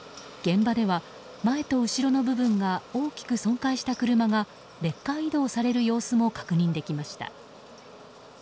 現場では前と後ろの部分が大きく損壊した車がレッカー移動される様子も確認できました。